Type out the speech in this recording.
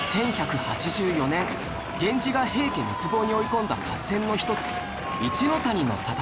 １１８４年源氏が平家滅亡に追い込んだ合戦の一つ一ノ谷の戦い